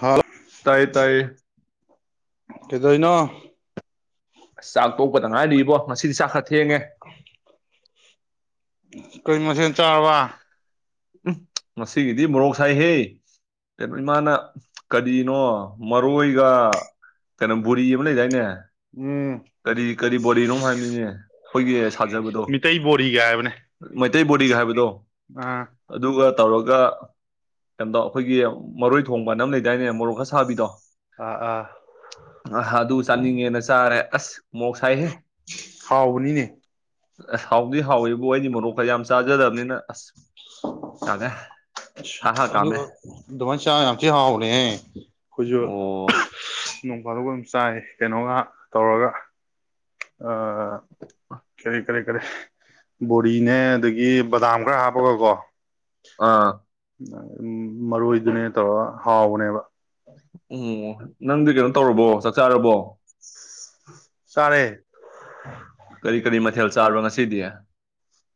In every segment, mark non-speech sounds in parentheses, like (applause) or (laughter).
ꯍꯥꯥꯎ ꯇꯥꯏꯌꯦ ꯇꯥꯏꯌꯦ ꯀꯩꯗꯩꯩ ꯅꯣ ꯑꯁ ꯆꯥꯛ ꯇꯣꯛꯄ ꯇ ꯉꯥꯏꯔꯤꯕꯣ ꯉꯁꯤꯗꯤ ꯆꯥꯛ ꯈꯔ ꯊꯦꯡꯉꯦ (inaudible) ꯀꯩ ꯃꯊꯦꯜ ꯆꯥꯔꯕ ꯎꯝ ꯉꯁꯤꯒꯤꯗꯤ ꯃꯣꯔꯣꯛ ꯁꯥꯏꯍꯦ ꯀꯩꯅꯣ ꯏꯃꯥꯅ ꯀꯔꯤꯅꯣ ꯃꯔꯣꯏꯒ ꯀꯩꯅꯣ ꯕꯣꯔꯤ ꯑꯃ ꯂꯩꯗꯥꯏꯅꯦ ꯎꯝ ꯀꯔꯤ ꯀꯔꯤ ꯕꯣꯔꯤꯅꯣꯝ ꯍꯥꯏꯕꯅꯤꯅꯦ ꯑꯩꯈꯣꯏꯒꯤ ꯁꯥꯖꯕꯗ ꯃꯤꯇꯩꯕꯣꯔꯤꯒ ꯃꯩꯇꯩ ꯕꯣꯔꯤ ꯍꯥꯏꯕꯗꯣ ꯑꯥ ꯑꯗꯨꯒ ꯇꯧꯔꯒ ꯑꯩꯈꯣꯏꯒꯤ ꯃꯔꯣꯏ ꯊꯣꯡꯕꯅ ꯑꯝ ꯂꯩꯗꯥꯏꯅꯦ ꯃꯣꯔꯣꯛꯈ ꯁꯥꯕꯤꯗꯣ ꯑꯥ ꯑꯥ ꯑ ꯑꯗꯨ ꯆꯥꯅꯤꯡꯉꯦꯅ ꯆꯥꯔꯦ ꯑꯁ ꯃꯣꯔꯣꯛ ꯁꯥꯏꯍꯦ ꯍꯥꯎꯕꯅꯤꯅꯦ ꯑꯁ ꯍꯥꯎꯗꯤ ꯍꯥꯎꯋꯦꯕꯨ ꯑꯩꯗꯤ ꯃꯣꯔꯣꯛꯀ ꯌꯥꯝ ꯆꯥꯖꯗꯕꯅꯤꯅ ꯑꯁ ꯌꯥꯗ꯭ꯔ‌ꯦ ꯑꯁ ꯑꯗꯨꯒ ꯑꯗꯨꯃꯥꯏꯅ ꯆꯥ ꯌꯥꯝ ꯊꯤ ꯍꯥꯎꯕꯅꯦꯍꯦ ꯑꯩꯈꯣꯏꯁꯨ ꯑꯣ ꯅꯣꯡꯐꯥꯗꫭꯛ ꯑꯗꯨꯝ ꯆꯥꯏ ꯀꯩꯅꯣꯒ ꯇꯧꯔꯒ ꯀꯔꯤ ꯀꯔꯤ ꯀꯔꯤ ꯕꯣꯔꯤꯅꯦ ꯑꯗꯒꯤ ꯕꯗꯥꯝ ꯈꯔ ꯍꯥꯞꯄꯒꯀꯣ ꯑꯥ ꯃꯔꯣꯏꯗꯨꯅꯦ ꯇꯧꯔꯒ ꯍꯥꯎꯕꯅꯦꯕ ꯎꯝ ꯅꯪꯗꯤ ꯀꯩꯅꯣ ꯇꯧꯔꯕꯣ ꯆꯥꯛ ꯆꯥꯔꯕꯣ ꯆꯥꯔꯦ ꯀꯔꯤ ꯀꯔꯤ ꯃꯊꯦꯜ ꯆꯥꯔꯕ ꯉꯁꯤꯗꯤ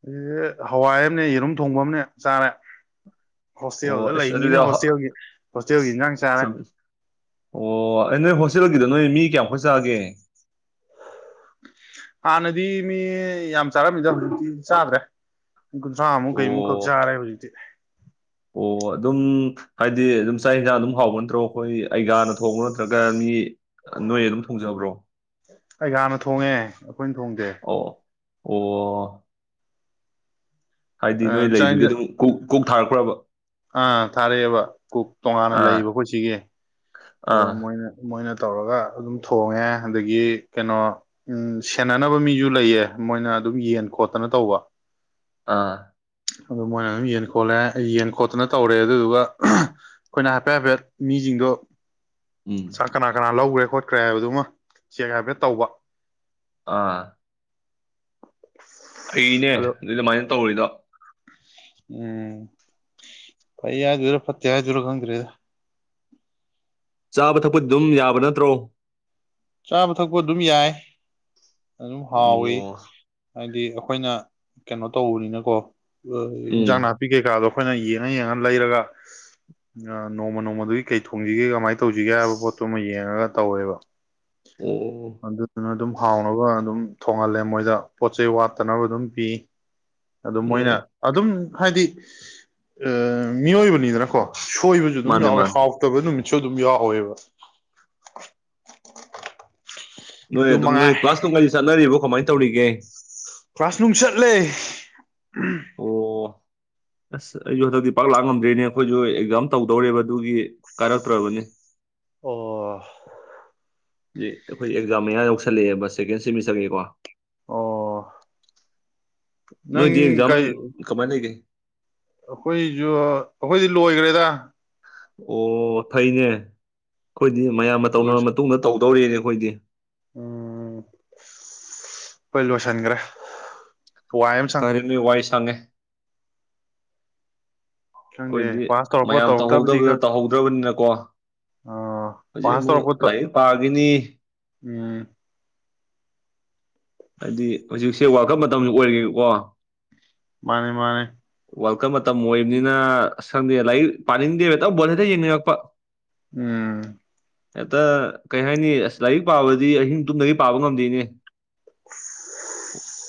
ꯑꯦ ꯍꯋꯥꯏ ꯑꯃꯅꯦ ꯌꯦꯔꯨꯝ ꯊꯣꯡꯕ ꯑꯃꯅꯦ ꯆꯥꯔꯦ ꯑꯣ ꯍꯣꯁꯇꯦꯜꯗ ꯑꯁ ꯑꯗꯨꯗꯤ ꯂꯩꯕꯅꯤꯅ ꯍ- ꯍꯣꯁꯇꯦꯜꯒꯤ ꯍꯣꯁꯇꯦꯜꯒꯤ ꯑꯁ ꯏꯟꯖꯥꯡ ꯆꯥꯔꯦ ꯁꯨꯝ ꯑꯣ ꯑꯩ ꯅꯣꯏ ꯍꯣꯁꯇꯦꯜꯒꯤꯗ ꯅꯣꯏ ꯃꯤ ꯀꯌꯥꯃꯨꯛꯀ ꯆꯥꯒꯦ ꯍꯥꯟꯅꯗꯤ ꯃꯤ ꯌꯥꯝ ꯆꯥꯔꯝꯃꯤꯗ ꯍꯧꯖꯤꯛꯇꯤ ꯆꯥꯗ꯭ꯔꯦ ꯃꯤ ꯀꯨꯟꯊ꯭ꯔꯥꯃꯨꯛ ꯑꯣ ꯀꯩꯃꯨꯛ ꯈꯛ ꯆꯥꯔꯦ ꯍꯧꯖꯤꯛꯇꯤ ꯑꯣ ꯑꯗꯨꯝ ꯍꯥꯏꯗꯤ ꯑꯗꯨꯝ ꯆꯥꯛ ꯏꯟꯁꯥꯡ ꯑꯗꯨꯝ ꯍꯥꯎꯕ ꯅꯠꯇ꯭ꯔꯣ ꯑꯩꯈꯣꯏ ꯑꯩꯒꯌꯥ ꯅ ꯊꯣꯡꯕ ꯅꯣ ꯅꯠꯇ꯭ꯔꯒ ꯃꯤ ꯅꯣꯏ ꯑꯗꯨꯝ ꯊꯣꯡꯖꯕ꯭ꯔꯣ ꯑꯩꯒꯤꯌꯥ ꯅ ꯊꯣꯡꯉꯦ ꯑꯩꯈꯣꯏꯅ ꯊꯣꯡꯗꯦ ꯑꯣ ꯑꯣ ꯍꯥꯏꯗꯤ ꯅꯣꯏ ꯆꯥꯛ ꯂꯩꯗꯨꯒꯤ ꯌꯦꯟꯁꯥꯡ ꯑꯗꯨꯝ ꯀꯨꯛ ꯀꯨꯛ ꯊꯔꯛꯄꯔ꯭ꯕ ꯑꯥ ꯊꯥꯔꯛꯑꯦꯕ ꯀꯨꯛ ꯇꯣꯉꯥꯟꯅ ꯑꯥ ꯂꯩꯕ ꯑꯩꯈꯣꯏ ꯁꯤꯒꯤ ꯑꯗꯣ ꯑꯥ ꯃꯣꯏꯅ ꯃꯣꯏꯅ ꯇꯧꯔꯒ ꯑꯗꯨꯝ ꯊꯣꯡꯉꯦ ꯑꯗꯒꯤ ꯀꯩꯅꯣ ꯎꯝ ꯁꯦꯟꯅꯅꯕ ꯃꯤꯁꯨ ꯂꯩꯌꯦ ꯃꯣꯏꯅ ꯑꯗꯨꯝ ꯌꯦꯟ ꯈꯣꯠꯇꯅ ꯇꯧꯕ ꯑꯥ ꯑꯗꯨ ꯃꯣꯏꯅ ꯑꯗꯨꯝ ꯌꯦꯟ ꯈꯣꯠꯂꯦ ꯌꯦꯟ ꯈꯣꯠꯇꯅ ꯇꯧꯔꯦ ꯑꯗꯨꯗꯨꯒ ꯑꯩꯈꯣꯏꯅ ꯍꯥꯏꯐꯦꯠ ꯍꯥꯏꯐꯦꯠ ꯃꯤꯁꯤꯡꯗꯣ ꯎꯝ ꯆꯥꯛ ꯀꯅꯥ ꯀꯅꯥ ꯂꯧꯈ꯭ꯔꯦ ꯈꯣꯠꯈ꯭ꯔꯦ ꯍꯥꯏꯕꯗꯨꯃ ꯆꯦꯛ ꯍꯥꯏꯐꯦꯠ ꯇꯧꯕ ꯑꯥ ꯐꯥꯅꯦ ꯑꯗꯣ ꯑꯗꯨꯏ ꯑꯗꯨꯃꯥꯏꯅ ꯇꯧꯔꯤꯗꯣ ꯎꯝ ꯐꯩ ꯍꯥꯏꯗꫭꯏꯔ ꯐꯠꯇ‌ꯦ ꯍꯥꯏꯗꫭꯏꯔ ꯈꯪꯗ꯭ꯔ‌ꯦꯗ ꯆꯥꯕ ꯊꯛꯄꯗꯤ ꯑꯗꯨꯝ ꯌꯥꯕ ꯅꯠꯇ꯭ꯔꯣ ꯆꯥꯕ ꯊꯛꯄ ꯑꯗꯨꯝ ꯌꯥꯏ ꯑꯗꯨꯝ ꯍꯥꯎꯋꯤ ꯎꯝ ꯍꯥꯏꯗꯤ ꯑꯩꯈꯣꯏꯅ ꯀꯩꯅꯣ ꯇꯧꯕꯅꯤꯅꯀꯣ ꯏꯟꯖꯥꯡ ꯎꯝ ꯅꯥꯄꯤ ꯄꯤ ꯀꯩꯀꯥꯗꯣ ꯑꯩꯈꯣꯏꯅ ꯌꯦꯡꯉ ꯌꯦꯡꯉ ꯂꯩꯔꯒ ꯅꯣꯡꯃ ꯅꯣꯡꯃꯗꯨꯒꯤ ꯀꯩ ꯊꯣꯡꯁꯤꯒꯦ ꯀꯃꯥꯏꯅ ꯇꯧꯁꯤꯒꯦ ꯍꯥꯏꯕ ꯄꯣꯠꯇꯨ ꯑꯃ ꯌꯦꯡꯉꯒ ꯇꯧꯋꯦꯕ ꯑꯣ ꯑꯗꯨꯅ ꯑꯗꯨꯝ ꯍꯥꯎꯅꯕ ꯑꯗꯨꯝ ꯊꯣꯡꯍꯜꯂꯦ ꯃꯣꯏꯗ ꯄꯣꯠ ꯆꯩ ꯋꯥꯠꯇꯅꯕ ꯑꯗꯨꯝ ꯄꯤ ꯑꯗꯨ ꯃꯣꯏꯅ ꯑꯣ ꯑꯗꯨꯝ ꯍꯥꯏꯗꯤ ꯑꯥꯟꯃꯤꯑꯣꯏꯕꯅꯤꯗꯅꯀꯣ ꯁꯣꯏꯕꯁꯨ ꯑꯗꯨꯝ ꯃꯥꯅꯦ ꯌꯥꯎꯋꯦ ꯃꯥꯅꯦ ꯍꯥꯎꯇꯕ ꯅꯨꯃꯤꯠꯁꯨ ꯑꯗꯨꯝ ꯌꯥꯎꯋꯦꯕ ꯅꯣꯏ ꯑꯗꯨ ꯑꯗꯨꯝ ꯅꯣꯏ ꯃꯉꯥꯏ ꯀ꯭ꯂꯥꯁ ꯅꯨꯡꯒꯗꯤ ꯆꯠꯅꯔꯤꯕꯣ ꯀꯃꯥꯏꯅ ꯇꯧꯔꯤꯒꯦ ꯀ꯭ꯂꯥꯁꯅꯨꯡ ꯆꯠꯂꯦ ꯑꯣ ꯑꯁ ꯑꯩꯁꯨ ꯍꯟꯗꯛꯇꯤ ꯄꯥꯛ ꯂꯥꯛ ꯉꯝꯗ꯭ꯔꯦꯅꯦ ꯑꯩꯈꯣꯏꯁꯨ ꯑꯦꯛꯖꯥꯝ ꯇꯧꯗꯧꯔꯦꯕ ꯑꯗꯨꯒꯤ ꯀꯥꯏꯔꯛꯇ꯭ꯔꯕꯅꯤ ꯑꯣ ꯑꯩꯈꯣꯏ ꯑꯦꯛꯖꯥꯝ ꯃꯌꯥ ꯌꯧꯁꯜꯂꯛꯑꯦꯕ ꯁꯦꯀꯦꯟ ꯁꯦꯃꯤꯁꯇꯔꯒꯤꯀꯣ ꯑꯣ ꯅꯪ ꯅꯣꯏꯗꯤ ꯑꯦꯛꯖꯥꯝ ꯀꯩ ꯀꯃꯥꯏꯅ ꯂꯩꯒꯦ ꯑꯩꯈꯣꯏꯁꯨ ꯑꯩꯈꯣꯏꯗꯤ ꯂꯣꯏꯈ꯭ꯔꯦꯗ ꯑꯣ ꯐꯩꯅꯦ ꯑꯩꯈꯣꯏꯗꯤ ꯃꯌꯥꯝꯅ ꯇꯧꯅꯔ ꯂꯣꯏꯁ ꯃꯇꯨꯡꯗ ꯇꯧꯗꯧꯔꯤꯦꯅꯦ ꯑꯩꯈꯣꯏꯗꯤ ꯎꯝ ꯑꯈꫭꯏ ꯂꯣꯏꯁꯤꯟꯈ꯭ꯔꯦ ꯋꯥꯏ ꯑꯃ ꯁꯪꯉꯤ ꯅꯪꯗꯤ ꯋꯥꯏ ꯁꯪꯉꯦ (unintelligible) ꯈꯪꯗꯦ ꯑꯩꯈꯣꯏꯗꯤ ꯄꯥꯁ ꯇꯧꯔꯛꯄ ꯃꯌꯥꯝ ꯇꯧꯔꯛꯇꯕꯗꯤ ꯇꯧꯍꯧꯗꯕꯗ ꯈꯪ ꯇꯧꯍꯧꯗ꯭ꯔꯕꯅꯤꯅꯀꯣ ꯍꯧꯖꯤꯛ ꯄꯥꯁ ꯑꯃꯨꯛ ꯇꯧꯔꯛꯄ ꯂꯥꯏꯔꯤꯛ ꯄꯥꯒꯤꯅꯤ ꯎꯝ ꯍꯥꯏꯗꯤ ꯍꯧꯖꯤꯛꯁꯦ ꯋꯥꯀꯠ ꯃꯇꯝꯁꯨ ꯑꯣꯏꯦꯀꯣ ꯃꯥꯅꯦ ꯃꯥꯅꯦ ꯋꯦꯜꯀꯝ ꯃꯇꯝ ꯑꯣꯏꯕꯅꯤꯅ ꯁꯪꯗꯦ ꯂꯥꯏꯔꯤꯛ ꯄꯥꯅꯤꯡꯗꯦ ꯍꯦꯇꯪ ꯕꯣꯜ ꯍꯦꯛꯇ ꯌꯦꯡꯅꯤꯡꯔꯛꯄ ꯎꯝ ꯍꯦꯛꯇ ꯀꯩ ꯍꯥꯏꯅꯤ ꯑꯁ ꯂꯥꯏꯔꯤꯛ ꯄꯥꯕꯗꯤ ꯑꯍꯤꯡ ꯇꯨꯝꯗꯒꯤ ꯄꯥꯕ ꯉꯝꯗꯣꯏꯅꯦ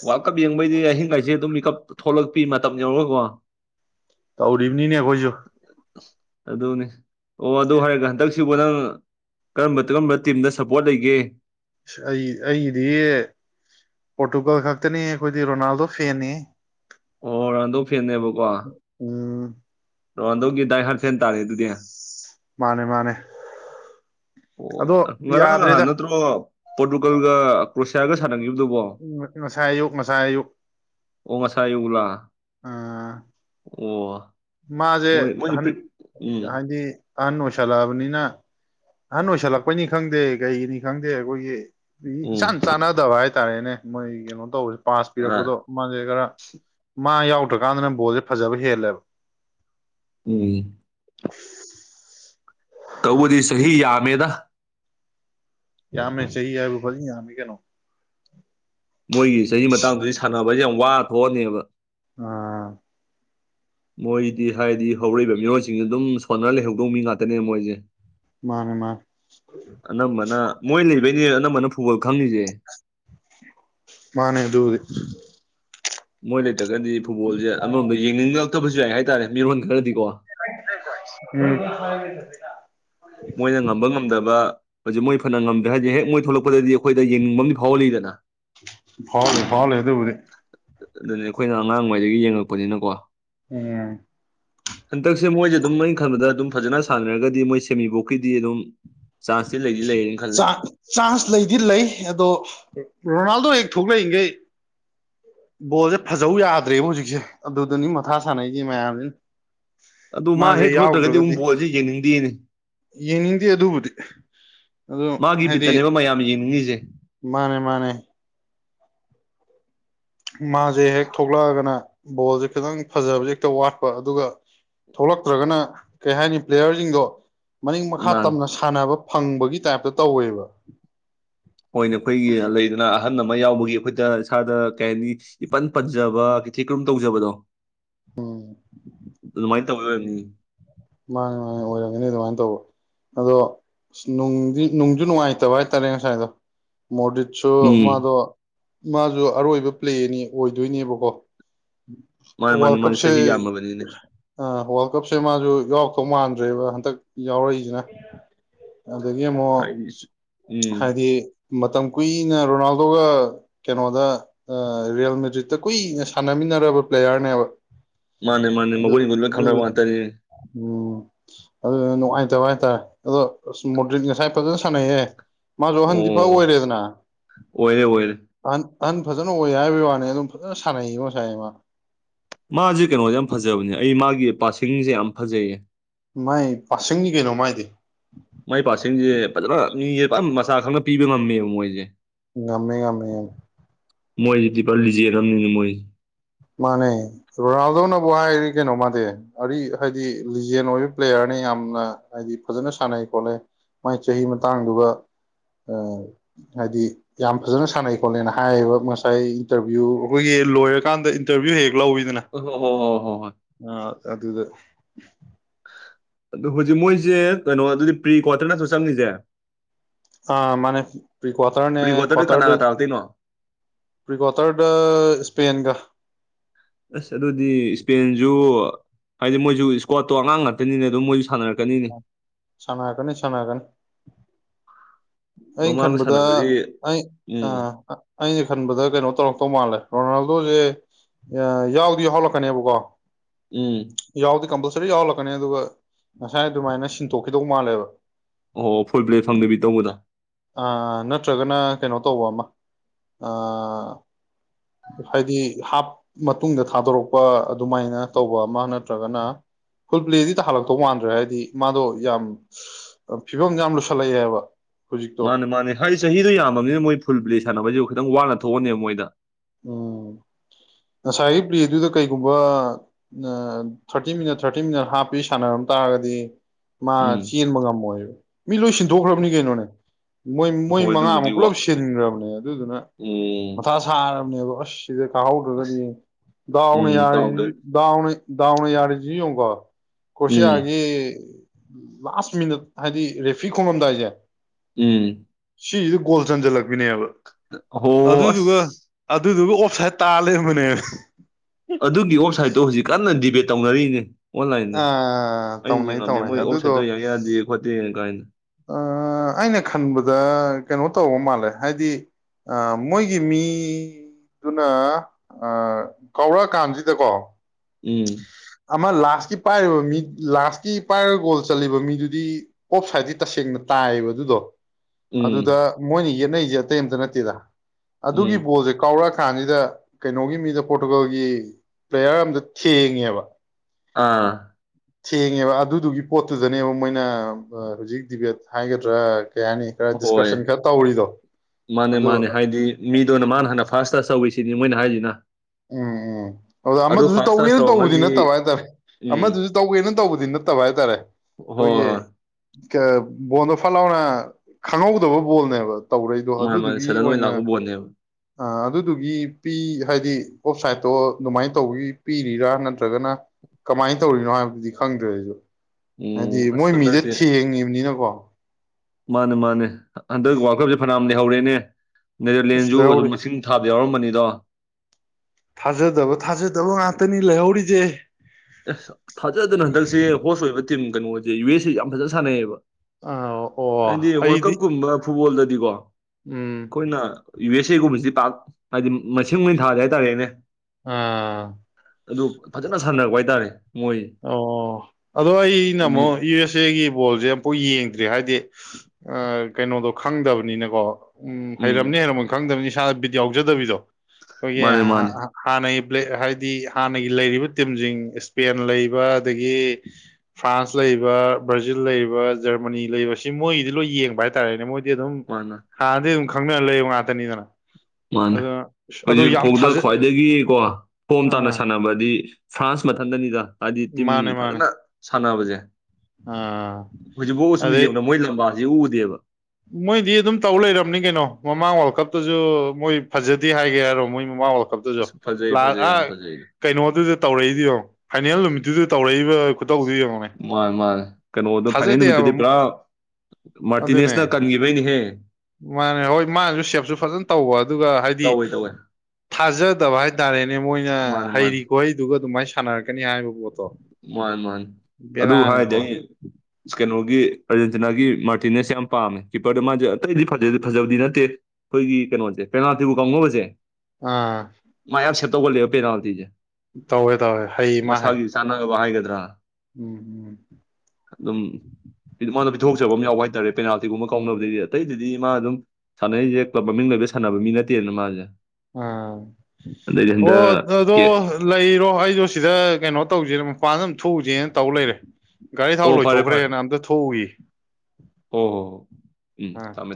ꯋꯥꯔꯜ ꯀꯞ ꯌꯦꯡꯕꯩꯗꯤ ꯑꯍꯤꯡꯒꯥꯏꯁꯦ ꯑꯗꯨꯝ ꯃꯤꯀꯞ ꯊꯣꯛꯂꯛꯄꯤ ꯃꯇꯝ ꯍꯒ ꯋꯥ ꯇꯧꯔꯤꯕꯅꯤꯅꯦ ꯑꯩꯈꯣꯏꯁꯨ ꯑꯗꯨꯅꯤ ꯑꯣ ꯑꯗꯨ ꯍꯥꯏꯔꯒ ꯍꯟꯗꯛꯁꯤꯕꯨ ꯅꯪ ꯀꯔꯝꯕ ꯀꯔꯝꯕ ꯇꯤꯝꯗ ꯁꯞꯄꯣꯔꯠ ꯂꯩꯒꯦ ꯑꯩ ꯑꯩꯒꯤꯗꯤ ꯄꯣꯔꯇꯨꯒꯥꯜ ꯈꯛꯇꯅꯤ ꯑꯩꯈꯣꯏꯗꯤ ꯔꯣꯅꯥꯜꯗꯣ ꯐꯦꯟꯅꯤ ꯑꯣ ꯔꯥꯟꯗꯧ ꯐꯦꯟꯅꯦꯕꯀꯣ ꯎꯝ ꯔꯣꯍꯥꯟꯗꯧꯒꯤ ꯗꯥꯏ ꯍꯥꯔꯐꯦꯟ ꯇꯥꯔꯦ ꯑꯗꯨꯗꯤ ꯃꯥꯅꯦ ꯃꯥꯅꯦ ꯑꯣ ꯑꯗꯣ ꯉꯔꯥꯡ ꯅꯍꯥꯟ ꯌꯥꯗ꯭ꯔꯦꯗ ꯅꯠꯇ꯭ꯔꯣ ꯄꯣꯔꯇꯨꯒꯜꯒ ꯀ꯭ꯔꯣꯁꯤꯌꯥꯒ ꯁꯥꯟꯅꯈꯤꯕꯗꯨꯕꯣ ꯎꯝ ꯃꯁꯥ ꯑꯌꯨꯛ ꯉꯁꯥ ꯑꯌꯨꯛ ꯑꯣ ꯉꯁꯥꯏꯂꯥ ꯑꯣ ꯃꯥꯁꯦ ꯃꯣꯏ ꯃꯣꯏ ꯑꯍꯟ ꯄ꯭ꯔꯤ- ꯎꯝ ꯍꯥꯏꯗꯤ ꯑꯍꯟ ꯑꯣꯏꯁꯜꯂꯛꯑꯕꯅꯤꯅ ꯑꯍꯟ ꯑꯣꯏꯁꯜꯂꯛꯄꯅꯤ ꯈꯪꯗꯦ ꯀꯩꯅꯤ ꯈꯪꯗꯦ ꯑꯩꯈꯣꯏꯒꯤ ꯏ ꯎꯝ ꯆꯥꯟꯅꯗꯕ ꯍꯥꯏꯇꯥꯔꯦꯅꯦ ꯃꯣꯏ ꯀꯩꯅꯣ ꯇꯧꯕꯁꯦ ꯄꯥꯁ ꯄꯤꯔꯛꯄꯗꯣ ꯑꯥ ꯃꯥꯁꯦ ꯈꯔ ꯃꯥ ꯌꯥꯎꯗ꯭ꯔꯀꯥꯟꯗꯅ ꯕꯣꯜꯁꯦ ꯐꯖꯕ ꯍꯦꯜꯂꯦꯕ ꯎꯝ ꯍ (unintelligible) ꯇꯧꯗꯤ ꯆꯍꯤꯍꯤ ꯌꯥꯃꯦꯗ ꯀ ꯑꯃ ꯆ ꯆꯍꯤ ꯍꯥꯏꯕꯨ ꯐꯣꯅꯤ ꯍꯥꯃꯤ ꯀꯩꯅꯣ ꯃꯣꯏꯒꯤ ꯆꯍꯤ ꯃꯇꯥꯡꯗꯨꯗꯤ ꯁꯥꯟꯅꯕꯁꯦ ꯌꯥꯝ ꯋꯥꯅ ꯊꯣꯛꯑꯅꯦꯕ ꯎꯝ ꯃꯣꯏꯗꯤ ꯍꯥꯏꯗꯤ ꯍꯧꯔꯛꯏꯕ ꯃꯤꯑꯣꯏꯁꯤꯡꯁꯤ ꯑꯗꯨꯝ ꯁꯣꯟꯅꯔ ꯂꯩꯍꯧꯗꯧꯕ ꯃꯤ ꯉꯥꯛꯇꯅꯦ ꯃꯣꯏꯁꯦ ꯃꯥꯅꯦ ꯃꯥꯅꯦ ꯑꯅꯝꯕꯅ ꯃꯣꯏ ꯂꯩꯕꯩꯅꯦ ꯑꯅꯝꯕꯅ ꯐꯨꯠꯕꯣꯜ ꯈꯪꯉꯁꯦ ꯃꯥꯅꯦ ꯑꯗꯨꯗꯤ ꯃꯣꯏ ꯂꯩꯇ꯭ꯔꯒꯗꯤ ꯐꯨꯠꯕꯣꯜꯁꯦ ꯑꯃꯔꯣꯝꯗ ꯌꯦꯡꯅꯤꯡꯂꯛꯇꯕꯁꯨ ꯌꯥꯏ ꯍꯥꯏꯇꯥꯔꯦ ꯃꯤꯔꯣꯟ ꯈꯔꯗꯤꯀꯣ ꯎꯝ ꯃꯣꯏꯅ ꯉꯝꯕ ꯉꯝꯗꯕ ꯃꯁꯤ ꯃꯣꯏ ꯐꯅ ꯉꯝꯗ꯭ꯔꯦ ꯍꯥꯏꯁꯦ ꯍꯦꯛ ꯃꯣꯏ ꯊꯣꯛꯂꯛꯄꯗꯗꯤ ꯑꯩꯈꯣꯏꯗ ꯌꯦꯡꯅꯤꯡꯕ ꯑꯃꯗꯤ ꯐꯥꯎꯍꯜꯂꯤꯗꯅ ꯐꯥꯎꯜꯦ ꯐꯥꯎ ꯂꯩ ꯑꯗꯨ ꯑꯗꯨꯕꯨꯗꯤ ꯑꯗꯨꯅꯦ ꯑꯩꯈꯣꯏꯅ ꯑꯉꯥꯡꯉꯩꯗꯒꯤ ꯌꯦꯡꯉꯛꯄꯅꯤꯅꯀꯣ ꯑꯦ ꯍꯟꯗꯛꯁꯦ ꯃꯣꯏꯁꯦ ꯑꯗꯨꯝ ꯑꯩꯅ ꯈꯟꯕꯗ ꯑꯗꯨꯝ ꯐꯖꯅ ꯁꯥꯟꯅꯔꯒꯗꯤ ꯃꯣꯏ ꯁꯦꯃꯤꯕꯣꯛꯀꯤꯗꯤ ꯑꯗꯨꯝ ꯆꯥꯟꯁꯇꯤ ꯂꯩꯗꯤ ꯂꯩꯔꯦꯅ ꯈꯜꯂꯦ ꯆꯥꯛ ꯆꯥꯟꯁ ꯂꯩꯗꯤ ꯂꯩ ꯑꯗꯣ ꯔꯣꯅꯥꯜꯗꯣ ꯍꯦꯛ ꯊꯣꯛꯂꯛꯏꯈꯩ ꯕꯣꯜꯁꯦ ꯐꯖꯧ ꯌꯥꯗ꯭ꯔꯦꯕ ꯍꯧꯖꯤꯛꯁꯦ ꯑꯗꯨꯗꯨꯅꯤ ꯃꯊꯥ ꯁꯥꯟꯅꯩꯁ ꯃꯌꯥꯝꯁꯤꯅ ꯑꯗꯨ ꯃꯥ ꯃꯥꯁꯦ ꯍꯦꯛ ꯊꯣꯛꯂꯛꯇ꯭ꯔꯒꯗꯤ ꯌꯥꯎꯗ꯭ꯔꯒꯗꯤ ꯑꯃꯨꯛ ꯕꯣꯜ ꯑꯁꯤ ꯌꯦꯡꯅꯤꯡꯗꯦꯅꯤ ꯌꯦꯡꯅꯤꯡꯗꯦ ꯑꯗꯨꯕꯨꯗꯤ ꯑꯗꯨ ꯃꯥꯒꯤ ꯍꯥꯏꯗꯤ ꯕꯤꯠꯇꯅꯦꯕ ꯃꯌꯥꯝ ꯌꯦꯡꯅꯤꯡꯉꯤꯁꯦ ꯃꯥꯅꯦ ꯃꯥꯅꯦ ꯃꯥꯁꯦ ꯍꯦꯛ ꯊꯣꯛꯂꯛꯑꯒꯅ ꯕꯣꯜꯁꯦ ꯈꯤꯇꯪ ꯐꯖꯕꯁꯦ ꯍꯦꯛꯇ ꯋꯥꯠꯄ ꯑꯗꯨꯒ ꯊꯣꯛꯂꯛꯇ꯭ꯔꯒꯅ ꯀꯩ ꯍꯥꯏꯅꯤ ꯄ꯭ꯂꯦꯌꯔꯁꯤꯡꯗꯣ ꯃꯅꯤꯡ ꯃꯈꯥ ꯃꯥꯅꯦ ꯇꯝꯅ ꯁꯥꯟꯅꯕ ꯐꯪꯕꯒꯤ ꯇꯥꯏꯞꯇ ꯇꯧꯋꯦꯕ ꯑꯣꯏꯅ ꯑꯩꯈꯣꯏꯒꯤ ꯂꯩꯗꯅ ꯑꯍꯟ ꯑꯃ ꯌꯥꯎꯕꯒꯤ ꯑꯩꯈꯣꯏꯗ ꯏꯁꯥꯗ ꯀꯩ ꯍꯥꯏꯅꯤ ꯏꯄꯟ ꯄꯟꯖꯕ ꯀꯩꯊꯤ ꯀꯔꯨꯝ ꯇꯧꯖꯕꯗꯣ ꯎꯝ ꯑꯗꯨꯃꯥꯏꯅ ꯇꯧꯋꯔꯅꯤ ꯃꯥꯅꯤ ꯃꯥꯅꯦ ꯑꯣꯏꯔꯝꯒꯅꯤ ꯑꯗꯨꯃꯥꯏꯅ ꯇꯧꯕ ꯑꯗꯣ ꯑꯁ ꯅꯨꯡꯗꯤ ꯅꯨꯡꯁꯨ ꯅꯨꯡꯉꯥꯏꯇꯕ ꯍꯥꯏꯇꯥꯔꯦ ꯉꯁꯥꯏꯗꯣ ꯃꯣꯗꯤꯠꯁꯨꯣ ꯎꯝ ꯃꯥꯗꯣ ꯃꯥꯁꯨ ꯑꯔꯣꯏꯕ ꯄ꯭ꯂꯦꯅꯤ ꯑꯣꯏꯗꯣꯏꯅꯦꯕꯀꯣ ꯃꯥꯅꯦ ꯃꯥꯅꯦ ꯋꯥꯔꯜꯗ ꯃꯥꯅꯦ ꯀꯞꯁ ꯆꯍꯤ ꯌꯥꯝꯃꯕꯅꯤꯅꯦ ꯑ ꯋꯥꯔꯜ ꯀꯞꯁꯦ ꯃꯥꯁꯨ ꯌꯥꯎꯔꯛꯇꯧ ꯃꯥꯟꯗ꯭ꯔꯦꯕ ꯍꯟꯇꯛ ꯌꯥꯎꯔꯛꯏꯁꯤꯅ ꯑꯗꯒꯤ ꯑꯃꯨꯛ ꯍꯥꯏꯗꯤ ꯁ- ꯎꯝ ꯍꯥꯏꯗꯤ ꯃꯇꯝ ꯀꯨꯏꯅ ꯔꯣꯅꯥꯜꯗꯣꯒ ꯀꯩꯅꯣꯗ ꯔꯤꯌꯦꯜ ꯃꯦꯔꯤꯠꯇ ꯀꯨꯏꯅ ꯁꯥꯟꯅꯃꯤꯟꯅꯔꯕ ꯄ꯭ꯂꯦꯌꯥꯔꯅꯦꯕ ꯃꯥꯅꯦ ꯃꯥꯅꯦ ꯃꯒꯣꯏꯅꯤꯗꯨ ꯂꯣꯏ ꯈꯪꯔꯕ ꯉꯥꯛꯇꯅꯤ ꯑꯣꯝ ꯑꯗꯨꯅ ꯅꯨꯡꯉꯥꯏꯇꯕ ꯍꯥꯏꯇꯥꯔꯦ ꯑꯗꯣ ꯑ ꯃꯨꯔꯗꯔꯤꯠ ꯉꯁꯥꯏ ꯐꯖꯅ ꯁꯥꯟꯅꯩꯑꯌꯦꯦ ꯃꯥꯁꯨ ꯑꯣ ꯑꯍꯟꯗꯤ ꯐꯥꯎ ꯑꯣꯏꯔꯦꯗꯅ ꯑꯣꯏꯔꯦ ꯑꯣꯏꯔꯦ ꯑꯍꯟ ꯑꯍꯟ ꯐꯖꯅ ꯑꯣꯏ ꯍꯥꯏꯕꯒꯤ ꯋꯥꯅꯤ ꯑꯗꯨꯝ ꯐꯖꯅ ꯁꯥꯟꯅꯩꯌꯦ ꯉꯁꯥꯏꯃ ꯃꯥꯁꯦ ꯀꯩꯅꯣꯁꯦ ꯌꯥꯝ ꯐꯖꯕꯅꯦ ꯑꯩ ꯃꯥꯒꯤ ꯄꯥꯔꯁꯤꯡꯁꯦ ꯌꯥꯝ ꯐꯖꯩꯌꯦ ꯃꯥꯏ ꯄꯥꯁꯪꯒꯤ ꯀꯩꯅꯣ ꯃꯥꯏꯗꯤ ꯃꯥꯏ ꯄꯥꯛꯁꯤꯡꯁꯦ ꯐꯖꯅ ꯃꯤꯄ ꯃꯆꯥ ꯈꯪꯅ ꯄꯤꯕ ꯉꯝꯃꯦꯕ ꯃꯣꯏꯁꯦ ꯉꯃꯦ ꯉꯃꯦ ꯃꯣꯏꯁꯤꯗꯤ ꯄꯜꯂꯤꯖꯦꯜꯂꯝꯅꯤꯅ ꯃꯣꯏ ꯃꯥꯅꯦ ꯔꯣꯅꯥꯜꯗꯧꯅꯕꯨ ꯍꯥꯏꯔꯤ ꯀꯩꯅꯣ ꯃꯥꯗꯤ ꯑꯔꯤ ꯍꯥꯏꯗꯤ ꯂꯤꯖꯦꯟ ꯑꯣꯏꯕ ꯄ꯭ꯂꯦꯌꯥꯔꯅꯤ ꯌꯥꯝꯅ ꯍꯥꯏꯗꯤ ꯐꯖꯅ ꯁꯥꯟꯅꯩ ꯈꯣꯠꯂꯦ ꯃꯥꯏ ꯆꯍꯤ ꯃꯇꯥꯡꯗꯨꯒ ꯍꯥꯏꯗꯤ ꯌꯥꯝ ꯐꯖꯅ ꯁꯥꯟꯅꯩ ꯈꯣꯠꯂꯅ ꯍꯥꯏꯌꯦꯕ ꯉꯁꯥꯏ ꯏꯟꯇꯔꯚꯤꯌꯨ ꯑꯩꯈꯣꯏꯒꯤ ꯂꯣꯏꯔꯀꯥꯟꯗ ꯏꯟꯔꯚꯤꯌ ꯍꯦꯛ ꯂꯧꯕꯤꯗꯅ ꯍ ꯍꯣ ꯍ ꯍꯣ ꯍꯣꯏ ꯑ ꯑꯗꯨꯗꯗ ꯑꯗꯨ ꯍꯧꯖꯤꯛ ꯃꯣꯏꯁꯦ ꯀꯩꯅꯣ ꯑꯗꯨꯗꯤ ꯄ꯭ꯔꯤ ꯀ꯭ꯋꯥꯇꯔꯅꯁꯨ ꯆꯪꯉꯤꯁꯦ ꯑ ꯃ ꯀꯇꯔꯅꯦ ꯄ꯭ꯔꯤ ꯀ꯭ꯋꯥꯇꯔꯗ ꯀꯇꯔꯗ ꯀꯅꯥꯒ ꯇꯥꯔꯛꯇꯣꯏꯅꯣ ꯄ꯭ꯔꯤꯀ꯭ꯋꯥꯇꯔꯗ ꯁ꯭ꯄꯦꯟꯒ ꯑꯁ ꯑꯗꯨꯗꯤ ꯏꯁꯄꯦꯟꯁꯨ ꯍꯥꯏꯗꯤ ꯃꯣꯏꯁꯨ ꯏꯁꯀꯣꯠꯇꯣ ꯑꯉꯥꯡ ꯉꯥꯛꯇꯅꯤꯅꯦ ꯑꯗꯨꯝ ꯃꯣꯏꯁꯨ ꯁꯥꯟꯅꯔꯛꯀꯅꯤꯅꯦ ꯁꯅꯒꯅꯤ ꯁꯅꯒꯅꯤ ꯑꯩꯅ ꯃꯃꯥꯡꯗ ꯈꯟꯕꯗ ꯁꯥꯟꯅꯕꯗꯗꯤ ꯑꯩ ꯑ ꯎꯝ ꯑꯩꯅ ꯈꯟꯕꯗ ꯀꯩꯅꯣ ꯇꯧꯔꯛꯇꯧ ꯃꯥꯜꯂꯦ ꯔꯣꯅꯥꯜꯗꯣꯁꯦ ꯌꯥꯎꯗꯤ ꯌꯥꯔꯂꯛꯀꯅꯦꯕꯀꯣ ꯎꯝ ꯌꯥꯎꯗꯦ ꯀꯝꯄꯜꯁꯔꯤ ꯌꯥꯎꯍꯜꯂꯛꯀꯅꯤ ꯑꯗꯨꯒ ꯉꯁꯥꯏ ꯑꯗꯨꯃꯥꯏꯅ ꯁꯤꯟꯇꯣꯛꯈꯤꯗꯧ ꯃꯥꯜꯂꯦꯕ ꯑꯣ ꯑꯣ ꯐꯨꯜꯕ꯭ꯂꯦ ꯐꯪꯗꯕꯤ ꯇꯧꯕꯗ ꯅꯠꯇ꯭ꯔꯒꯅ ꯀꯩꯅꯣ ꯇꯧꯕ ꯑꯃ ꯍꯥꯏꯗꯤ ꯍꯥꯞ ꯃꯇꯨꯡꯗ ꯊꯥꯗꯣꯔꯛꯄ ꯑꯗꯨꯃꯥꯏꯅ ꯇꯧꯕ ꯑꯃ ꯅꯠꯇ꯭ꯔꯒꯅ ꯐꯨꯜ ꯄ꯭ꯂꯦꯗꯤ ꯇꯥꯍꯜꯂꯛꯇꯧ ꯃꯥꯟꯗ꯭ꯔꯦ ꯍꯥꯏꯗꯤ ꯃꯥꯗꯣ ꯌꯥꯝ ꯐꯤꯕꯝ ꯌꯥꯝ ꯂꯨꯁꯜꯂꯛꯑꯦꯕ ꯍꯧꯖꯤꯛꯇꯣ ꯃꯥꯅꯦ ꯃꯥꯅꯦ ꯍꯥꯏꯗꯤ ꯆꯍꯤꯗꯣ ꯌꯥꯝꯃꯕꯅꯤꯅ ꯃꯣꯏ ꯐꯨꯜ ꯕꯦꯖ ꯁꯥꯟꯅꯕꯁꯤꯁꯨ ꯈꯤꯇꯪ ꯋꯥꯅ ꯊꯣꯛꯑꯅꯦꯕ ꯃꯣꯏꯗ ꯎꯝ ꯉꯁꯥꯏꯒꯤ ꯄ꯭ꯂꯦꯗꯨꯗ ꯀꯩꯒꯨꯝꯕ ꯊꯥꯔꯇꯤ ꯃꯤꯅꯠ ꯊꯥꯔꯇꯤ ꯃꯤꯅꯠ ꯍꯥꯞꯄꯤ ꯁꯥꯟꯅꯔꯝ ꯇꯥꯔꯒꯗꯤ ꯃꯥ ꯎꯝ ꯆꯦꯟꯕ ꯉꯝꯃꯣꯏꯕ ꯃꯤ ꯂꯣꯏ ꯁꯤꯟꯗꯣꯛꯈ꯭ꯔꯕꯅꯤ ꯀꯩꯅꯣꯅꯦ ꯏ ꯃꯣꯏ ꯍꯣꯏ ꯃꯉꯥ ꯑꯗꯨꯕꯨꯗꯤ ꯑꯃꯨꯛ ꯋꯥ ꯄꯨꯂꯞ ꯁꯤꯟꯈ꯭ꯔꯕꯅꯦ ꯑꯗꯨꯗꯨꯅ ꯎꯝ ꯃꯊ ꯊꯥꯔꯕꯅꯦꯕꯣ ꯑꯁ ꯁꯤꯗ ꯑꯁ ꯀꯥꯍꯧꯗ꯭ꯔꯒꯗꯤ ꯗꯥꯎꯅ ꯎꯝ ꯌꯥꯔꯤꯁꯤ ꯀꯥꯎꯗ ꯗꯎꯅ ꯗꯎꯅ ꯌꯥꯔ ꯆ ꯍꯧꯒ ꯈꯨꯁ ꯎꯝ ꯍꯥꯏꯒꯤ ꯂꯥꯁ ꯃꯤꯅꯠ ꯍꯥꯏꯗꯤ ꯔꯦꯐ꯭ꯤ ꯈꯣꯡꯉꯝꯗꯥꯏꯁꯦ ꯎꯝ ꯁꯤꯁꯤ ꯒꯣꯜ ꯆꯟꯖꯜꯂꯛꯄꯅꯦꯕ ꯍꯣ ꯑꯗꯨꯗꯨꯒ ꯑꯁ ꯑꯗꯨꯗꯨꯕꯨ ꯑꯣꯐ ꯁꯥꯏꯠ ꯇꯥ ꯂꯩꯕꯅꯦ ꯑꯗꯨꯒꯤ ꯑꯣꯞꯁꯥꯏꯠꯇꯣ ꯍꯧꯖꯤꯛ ꯀꯟꯅ ꯗꯤꯕꯦꯠ ꯇꯧꯅꯔꯤꯅꯦ ꯑꯣꯟꯂꯥꯏꯟꯗ ꯑ ꯑꯩꯁ ꯇꯧꯅꯩ ꯌꯦꯡꯉꯝꯃꯦ ꯇꯧꯅꯩ ꯃꯣꯏ ꯑꯣꯞꯁꯥꯏꯗꯠꯇꯡ ꯑꯗꯨꯗꯣ ꯌꯥꯗꯦ ꯈꯣꯠꯇꯦ ꯀꯥꯏꯅ ꯑ ꯑꯩꯅ ꯈꯟꯕꯗ ꯀꯩꯅꯣ ꯇꯧꯕ ꯃꯥꯜꯂꯦ ꯍꯥꯏꯗꯤ ꯃꯣꯏꯒꯤ ꯃꯤ ꯑꯗꯨꯅ ꯀꯧꯔꯛꯑꯀꯥꯟꯁꯤꯗꯀꯣ ꯎ ꯑꯃ ꯂꯥꯁꯀꯤ ꯄꯥꯏꯔꯤꯕ ꯃꯤ ꯂꯥꯁꯀꯤ ꯄꯥꯏꯔꯒ ꯒꯣꯜ ꯆꯜꯂꯤꯕ ꯃꯤꯗꯨꯗꯤ ꯑꯣꯞ ꯁꯥꯏꯗꯗꯤ ꯇꯁꯦꯡꯅ ꯇꯥꯏꯌꯦꯕ ꯑꯗꯨꯗꯣ ꯑꯗꯨꯗ ꯎꯝ ꯃꯣꯏꯅ ꯌꯦꯠꯅꯩꯁꯦ ꯑꯇꯩ ꯑꯝꯇ ꯅꯠꯇꯦꯗ ꯑꯗꯨꯒꯤ ꯎꯝ ꯕꯣꯜꯁꯦ ꯀꯥꯎꯔ ꯀꯥꯟꯁꯤꯗ ꯀꯩꯅꯣꯒꯤ ꯃꯤꯗ ꯄꯣꯔꯇꯨꯒꯜꯒꯤ ꯄ꯭ꯂꯦꯌꯥꯔ ꯑꯝꯗ ꯍꯦꯡꯉꯦꯕ ꯑꯥ ꯊꯦꯡꯉꯦꯕ ꯑꯗꯨꯗꯨꯒꯤ ꯄꯣꯠꯇꯨꯗꯅꯦꯕ ꯃꯣꯏꯅ ꯍꯧꯖꯤꯛ ꯗꯤꯕꯦꯠ ꯍꯥꯏꯒꯗ꯭ꯔꯥ ꯀꯩ ꯍꯥꯏꯅꯤ ꯈꯔ ꯍꯣꯏ ꯗꯤꯁꯀꯁꯟ ꯈꯔ ꯇꯧꯔꯤꯗꯣ ꯑꯗꯨ ꯃꯤꯗꯣꯅ ꯃꯥꯅ ꯍꯥꯟꯅ ꯐꯥꯔꯥꯁ ꯇꯁ ꯇꯧꯤꯁꯤꯅꯤ ꯃꯣꯏꯅ ꯍꯥꯏꯔꯤꯁꯤꯅ ꯎꯝ ꯎꯝ ꯑꯗꯨꯗ ꯑꯗꯨ ꯑꯃꯗꯨꯁꯨ ꯐꯥꯔꯁ ꯇꯁ ꯇꯧꯒꯦꯅ ꯇꯧꯕꯗꯤ ꯇꯧꯔꯝꯃꯗꯤ ꯅꯠꯇꯕ ꯍꯥꯏꯇꯥꯔꯦ ꯎꯝ ꯑꯃꯗꯨꯁꯨ ꯇꯧꯒꯦꯅ ꯇꯧꯕꯗꯤ ꯅꯠꯇꯕ ꯍꯥꯏꯇꯥꯔꯦ ꯍꯣ ꯍꯣꯏ ꯑꯩꯈꯣꯏꯒꯤ ꯕꯣꯜꯗꯣ ꯐꯠ ꯂꯥꯎꯅ ꯈꯪꯍꯧꯗꯕ ꯕꯣꯜꯅꯦꯕ ꯇꯧꯔꯩꯗꯣ ꯃꯥꯅꯦ ꯃꯥꯅꯦ ꯑꯗꯨꯗꯨꯒꯤ ꯁꯗꯟ ꯑꯣꯏꯅ ꯂꯥꯛꯄ ꯕꯣꯟꯅꯦꯕ ꯑꯗꯨꯗꯨꯒꯤ ꯄꯤ ꯍꯥꯏꯗꯤ ꯋꯞꯁꯥꯏꯠꯇꯣ ꯑꯗꯨꯃꯥꯏꯅ ꯇꯧꯕ ꯄꯤꯔꯤꯔꯥ ꯅꯠꯇ꯭ꯔꯒꯅ ꯀꯃꯥꯏꯅ ꯇꯧꯔꯤꯅꯣ ꯍꯥꯏꯕꯗꯨꯗꯤ ꯈꯪꯗ꯭ꯔꯁꯨ ꯍꯥꯏꯗꯤ ꯎꯝ ꯑꯁ ꯃꯣꯏ ꯃꯤꯗ ꯍꯟꯗꯛꯁꯦ ꯊꯦꯡꯉꯤꯕꯅꯤꯅꯀꯣ ꯃꯥꯅꯦ ꯃꯥꯅꯦ ꯍꯟꯗꯛ ꯋꯥꯔꯜ ꯀꯞꯁꯦ ꯐꯅꯌꯥꯝꯗꯤ ꯍꯧꯔꯛꯦꯅꯦ ꯑꯁ ꯅꯦꯗꯔꯂꯦꯟꯁꯨ ꯑꯗꯨꯝ ꯂꯩꯍꯧꯔꯤ ꯃꯁꯤꯡ ꯊꯥꯕ ꯌꯥꯎꯔꯝꯕꯅꯤꯗꯣ ꯊꯥꯖꯗꯕ ꯊꯥꯖꯗꯕ ꯉꯥꯛꯇꯅꯤ ꯂꯩꯍꯧꯔꯤꯁꯦ ꯑꯦ ꯐꯥꯖꯗꯅ ꯍꯟꯗꯛꯁꯦ ꯍꯣꯁ ꯑꯣꯏꯕ ꯇꯤꯝ ꯀꯩꯅꯣꯁꯦ ꯌꯨ ꯑꯦꯁ ꯁꯤ ꯌꯥꯝ ꯐꯖꯅ ꯁꯥꯟꯅꯩꯑꯕ ꯑꯥ ꯑꯣ ꯍꯥꯏꯗꯤ ꯋꯥꯔꯜ ꯑꯩꯗꯤ ꯀꯞꯀꯨꯝꯕ ꯐꯨꯠꯕꯣꯜꯗꯗꯤꯀꯣ ꯎꯝ ꯑꯩꯈꯣꯏꯅ ꯌꯨ ꯑꯦꯁ ꯑꯦꯒꯨꯝꯕꯁꯤꯗꯤ ꯄꯥꯛ ꯍꯥꯏꯗꯤ ꯃꯁꯤꯡ ꯃ ꯊꯥꯗꯦ ꯍꯥꯏꯇꯥꯔꯦꯅꯦ ꯑꯥ (unintelligible) (inaudible) ꯑꯗꯨ ꯐꯖꯅ ꯁꯥꯟꯅꯔꯛꯄ ꯍꯥꯏꯇꯥꯔꯦ ꯃꯣꯏ ꯑꯣ ꯑꯗꯣ ꯑꯩ ꯅꯃꯣ ꯍꯧꯖꯤꯛ ꯌꯨ ꯑꯦꯁ ꯁꯤꯦꯒꯤ ꯕꯣꯜꯁꯦ ꯑꯃꯐꯥꯎ ꯌꯦꯡꯗ꯭ꯔꯤ ꯍꯥꯏꯗꯤ ꯑ ꯀꯩꯅꯣꯗꯣ ꯈꯪꯗꯕꯅꯤꯅꯀꯣ ꯎꯝ ꯍꯩꯔꯝꯅꯤ ꯍꯩꯔꯝꯃꯣꯏ ꯈꯪꯗꯕꯅꯤ ꯏꯁꯥꯗ ꯕꯤꯠ ꯌꯥꯎꯖꯗꯕꯤꯗꯣ ꯃꯥꯅꯦ ꯃꯥꯅꯦ ꯑꯩꯈꯣꯏꯒꯤ ꯍꯥꯟꯅꯒꯤ꯭ꯂ ꯍꯥꯏꯗꯤ ꯍꯥꯟꯅꯒꯤ ꯂꯩꯔꯤꯕ ꯇꯤꯝꯁꯤꯡ ꯏꯁꯄꯦꯟ ꯂꯩꯕ ꯑꯗꯒꯤ ꯐ꯭ꯔꯥꯟꯁ ꯂꯩꯕ ꯕ꯭ꯔꯥꯖꯤꯜ ꯂꯩꯔꯤꯕ ꯖꯔꯃꯅꯤ ꯂꯩꯕ ꯁꯤ ꯃꯣꯏꯒꯤꯗꯤ ꯂꯣꯏ ꯌꯦꯡꯕ ꯍꯥꯏꯦ ꯍꯥꯏꯇꯥꯔꯦꯅꯦ ꯃꯣꯏꯗꯤ ꯑꯗꯨꯝ ꯃꯥꯅꯦ ꯍꯥꯟꯅꯗꯤ ꯑꯗꯨꯝ ꯈꯪꯅꯔ ꯂꯩꯕ ꯉꯥꯛꯇꯅꯤꯗꯅ ꯃꯥꯅꯦ ꯑꯗꯨꯅ ꯑꯁ ꯑꯗꯨ ꯌꯥꯝ ꯍꯧꯖꯤꯛꯐꯥꯎꯗ ꯊꯥꯖ ꯈ꯭ꯋꯥꯏꯗꯒꯤꯀꯣ ꯐꯣꯝ ꯇꯥꯅ ꯑꯥ ꯁꯥꯟꯅꯕꯗꯤ ꯐ꯭ꯔꯥꯟꯁ ꯃꯊꯟꯗꯅꯤꯗ ꯍꯥꯏꯗꯤ ꯇꯤꯝ ꯃꯥꯅꯦ ꯃꯥꯅꯦ ꯐꯖꯅ ꯁꯥꯟꯅꯕꯁꯦ ꯑꯥ ꯍꯧꯖꯤꯛꯐꯥꯎ ꯁꯨꯝ ꯑꯗꯩ ꯌꯦꯡꯅ ꯃꯣꯏ ꯂꯝꯕꯥꯁꯤ ꯎꯗꯦꯕ ꯃꯣꯏꯗꯤ ꯑꯗꯨꯝ ꯇꯧ ꯂꯩꯔꯕꯅꯤ ꯀꯩꯅꯣ ꯃꯃꯥꯡ ꯋꯥꯔꯜ ꯀꯞꯇꯁꯨ ꯃꯣꯏ ꯐꯖꯗꯦ ꯍꯥꯏꯒꯦ ꯍꯥꯏꯔꯣ ꯃꯣꯏ ꯃꯃꯥ ꯋꯥꯔꯜ ꯀꯞꯇ ꯣ ꯑꯁ ꯐꯖꯩ ꯂ ꯐꯖꯩ ꯑꯥ ꯌꯥꯝ (unintelligible) ꯐꯖꯩꯗ (inaudible) ꯀꯩꯅꯣꯗꯨꯗ ꯇꯧꯔꯛꯏꯗꯤ ꯌꯦꯡꯉ ꯐꯥꯏꯅꯦꯜ ꯅꯨꯃꯤꯠꯇꯨꯗ ꯇꯧꯔꯛꯏꯕ ꯈꯨꯇꯧꯗꯨ ꯌꯦꯉꯣ ꯃꯥꯅꯤ ꯃꯥꯅꯤ ꯀꯩꯅꯣꯗ ꯐꯥꯏꯅꯦꯜ ꯍꯥꯏꯕ ꯅꯨꯃꯤꯠꯇꯨꯗꯤ ꯄꯨꯔꯥ ꯑꯗꯨꯅꯦ ꯃꯥꯔꯇꯤꯅꯦꯁꯅ ꯀꯟ ꯅꯤ ꯍ (unintelligible) (inaudible) ꯃꯥꯅꯦ ꯍꯣꯏ ꯃꯥꯅꯁꯨ ꯁꯦꯞꯁꯨ ꯐꯖꯅ ꯇꯧꯕ ꯑꯗꯨꯒ ꯍꯥꯏꯗꯤ ꯇꯧꯋꯦ ꯇꯧꯋꯦ ꯊꯥꯖꯗꯕ ꯍꯥꯏꯇꯥꯔꯦꯅꯦ ꯃꯣꯏꯅ ꯃꯥꯅꯦ ꯍꯩꯔꯤ ꯃꯥꯅꯦ ꯈꯣꯍꯩꯗꯨꯒ ꯑꯗꯨꯃꯥꯏꯅ ꯁꯥꯟꯅꯔꯛꯀꯅꯤ ꯍꯥꯏꯕ ꯄꯣꯠꯇꯣ ꯃꯥꯅꯤ ꯃꯥꯅꯤ ꯑꯗꯨ ꯍꯥꯏꯔꯗꯤ ꯕꯦꯔꯥꯅꯤꯀꯣ ꯑꯩ (inaudible) ꯏꯁ ꯀꯦꯩꯅꯣꯒꯤ ꯑꯥꯔꯖꯦꯟꯇꯤꯅꯥꯒꯤ ꯃꯥꯔꯇꯤꯅꯦꯁꯦ ꯌꯥꯝ ꯄꯥꯝꯃꯦ ꯀꯤꯄꯔꯗꯣ ꯃꯥꯁꯦ ꯑꯇꯩꯗꯤ ꯐꯖꯕꯗꯤ ꯅꯠꯇꯦ ꯑꯩꯈꯣꯏꯒꯤ ꯀꯩꯅꯣꯁꯦ ꯄꯦꯅꯥꯜꯇꯤꯕꯨ ꯀꯥꯎꯅꯕꯁꯦ ꯑꯥ (unintelligible) (inaudible) ꯃꯥꯥꯏꯔ ꯁꯦꯇꯣꯒꯣ ꯂꯦꯄꯤꯔꯗꯤꯖꯦ ꯇꯧꯋꯦ ꯇꯧꯋꯦ ꯍꯩ ꯃꯥ ꯍꯥꯏ (inaudible) ꯆꯅꯥꯒꯕ ꯍꯥꯏꯒꯗ꯭ꯔꯥ ꯎꯝ ꯎꯝ (unintelligible) (inaudible) ꯑꯗꯨꯝ ꯃꯥꯅ ꯄꯤꯊꯣꯛꯆꯕ ꯑꯃ ꯌꯥꯎꯕ ꯍꯥꯏꯇꯥꯔꯦ ꯄꯦꯅꯥꯜꯇꯤꯒꯨꯝꯕ ꯎꯝ ꯀꯥꯎꯅꯕꯗꯒꯤꯩꯗꯤ ꯑꯇꯩꯗꯨꯗꯤ ꯃꯥ ꯑꯗꯨꯝ ꯁꯥꯟꯅꯔꯤꯁꯦ ꯀ꯭ꯂꯕ ꯃꯃꯤꯡ ꯂꯩꯕ ꯁꯥꯟꯅꯕ ꯃꯤ ꯅꯠꯇꯦꯅ ꯃꯥꯁꯦ ꯑ ꯑꯗꯩꯗꯤ ꯑꯣ ꯍꯟꯗꯛ ꯑꯗꯨꯗꯣ ꯂꯩꯔꯣ ꯑꯩꯗꯣ ꯁꯤꯗ ꯀꯩꯅꯣ ꯇꯧꯁꯤꯦꯔ ꯃꯄꯥꯟꯗ ꯑꯃꯝ ꯊꯣꯛꯎꯁꯦꯅ ꯇꯧ ꯂꯩꯔꯦ ꯒꯥꯔꯤ ꯊꯥꯎ ꯑꯣ ꯐꯔꯦ ꯐꯔꯦ ꯂꯣꯏꯊꯣꯛꯈ꯭ꯔꯦꯅ ꯑꯝꯇ ꯊꯣꯛꯎꯏ ꯍꯣ ꯍꯣ ꯍꯣ ꯎꯝ ꯑꯥ ꯊꯝꯃꯦ